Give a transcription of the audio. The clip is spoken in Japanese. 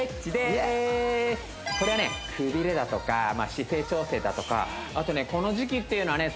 これはねくびれだとか姿勢調整だとかあとねこの時期っていうのはね